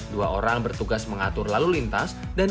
dua orang bertugas mengatur lalu lintas dan